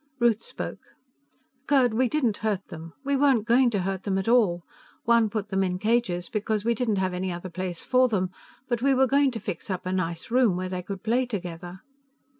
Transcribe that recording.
Ruth spoke. "Gerd, we didn't hurt them. We weren't going to hurt them at all. Juan put them in cages because we didn't have any other place for them, but we were going to fix up a nice room, where they could play together...."